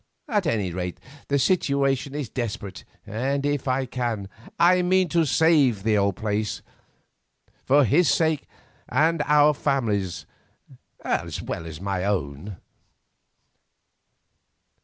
At any rate the situation is desperate, and if I can, I mean to save the old place, for his sake and our family's, as well as my own."